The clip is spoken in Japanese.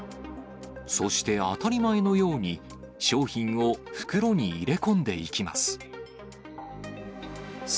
そして当たり前のように、商品を袋に入れ込んでいきます。